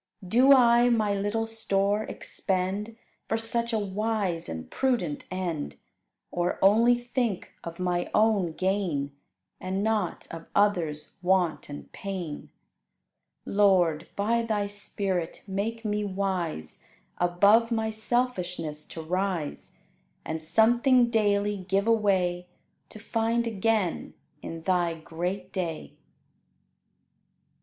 Do I my little store expend For such a wise and prudent end; Or only think of my own gain, And not of others' want and pain? Lord, by Thy Spirit, make me wise Above my selfishness to rise, And something daily give away To find again in Thy great day!